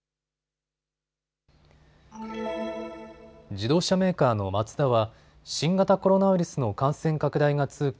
自動車メーカーのマツダは新型コロナウイルスの感染拡大が続く